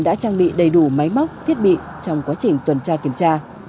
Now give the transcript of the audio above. đã trang bị đầy đủ máy móc thiết bị trong quá trình tuần tra kiểm tra